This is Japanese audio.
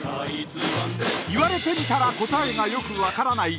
言われてみたら答えがよく分からない